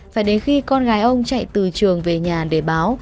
phải đến khi con gái ông chạy từ trường về nhà để báo